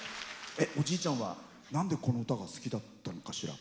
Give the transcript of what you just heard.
おじいちゃんはなんでこの歌が好きだったのかしら。